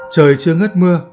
trời chưa ngất mưa